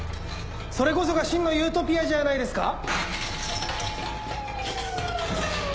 それこそが真のユートピアじゃないですか？